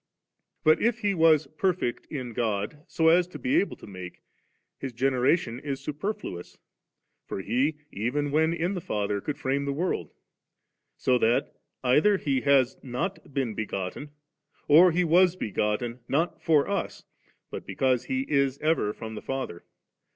But if He was perfect in God, so as to be able to make. His generation b superfluous ; for He, even when in the Father, could frame the world ; so that either He has not been begotten, or He was begotten, not for us, but because He is ever from the Father.